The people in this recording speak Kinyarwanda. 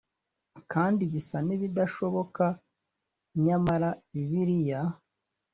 kandi bisa n ibidashoboka nyamara bibiliya